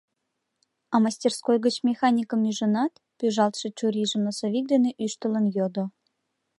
— А мастерской гыч механикым ӱжынат? — пӱжалтше чурийжым носовик дене ӱштылын йодо.